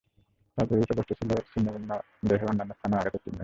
তার পরিহিত বস্ত্র ছিল ছিন্ন ভিন্ন দেহের অন্যান্য স্থানেও আঘাতের চিহ্ন ছিল।